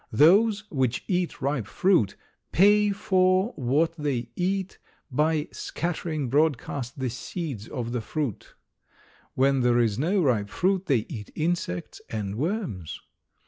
Those which eat ripe fruit pay for what they eat by scattering broadcast the seeds of the fruit. When there is no ripe fruit they eat insects and worms.